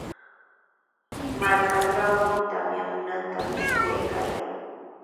Markaatrawmi tamyamuntami shuyaykaayaa.